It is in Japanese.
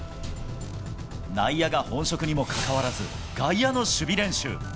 内野が本職にもかかわらず、外野の守備練習。